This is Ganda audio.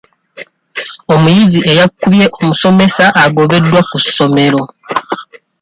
Omuyizi eyakubye omusomesa agobeddwa ku ssomero.